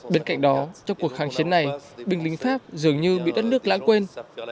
bên cạnh đó trong cuộc kháng chiến này binh lính pháp dường như bị đất nước lãng quên